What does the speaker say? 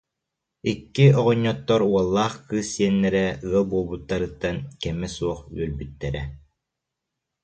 Икки оҕонньоттор уоллаах кыыс сиэннэрэ ыал буолбуттарыттан кэмэ суох үөрбүттэрэ